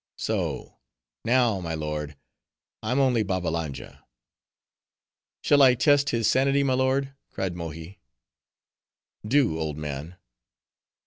so: now, my lord, I'm only Babbalanja." "Shall I test his sanity, my lord?" cried Mohi. "Do, old man."